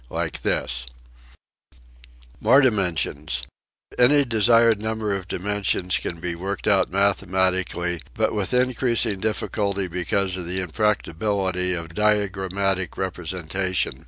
Like this More dimensions: Any desired number of dimensions can be worked out mathematically but with increasing difficulty because of the impracticability of diagrammatical representation.